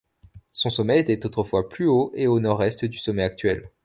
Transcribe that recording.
Son sommet, était autrefois plus haut et au nord-est du sommet actuel.